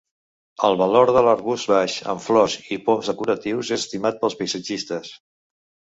El valor de l'arbust baix amb flors i poms decoratius és estimat pels paisatgistes.